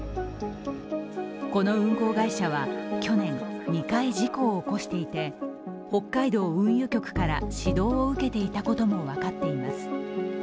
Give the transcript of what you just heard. この運航会社は去年、２回、事故を起こしていて北海道運輸局から指導を受けていたことも分かっています。